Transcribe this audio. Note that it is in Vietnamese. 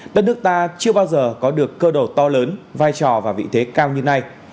tất nước ta chưa bao giờ có được cơ độ to lớn vai trò và vị thế cao như nay